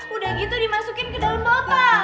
udah gitu dimasukin ke daun papa